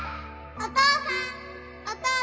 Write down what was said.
お父さん！